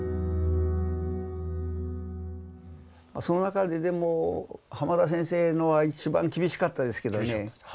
その中ででも濱田先生のは一番厳しかったですけどね。